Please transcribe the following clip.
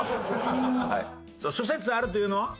諸説あるというのは？